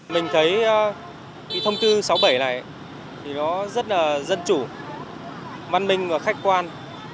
mình thấy thông tư sáu mươi bảy này rất là dân chủ văn minh và khách quan